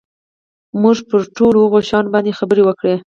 موږ پر ټولو هغو شیانو باندي خبري وکړې.